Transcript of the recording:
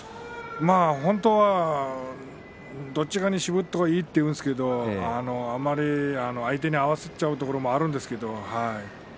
本当はどちらかに絞った方がいいというんですけれどあまり相手に合わせてしまうところはあるんですけどね。